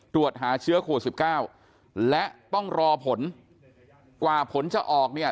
ตรวจหาเชื้อโควิด๑๙และต้องรอผลกว่าผลจะออกเนี่ย